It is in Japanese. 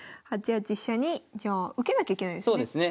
８八飛車にじゃあ受けなきゃいけないですね。